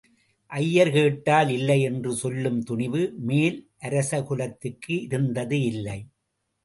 ஐயர் கேட்டால் இல்லை என்று சொல்லும் துணிவு மேல் அரசகுலத்துக்கு இருந்தது இல்லை.